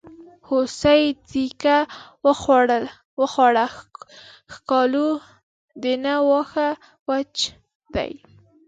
هوسۍ دیکه وخوړه ښکالو ده نه واښه وچ دي.